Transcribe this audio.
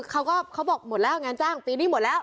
เขาบอกหมดแล้วงานจ้างปีนี้หมดแล้ว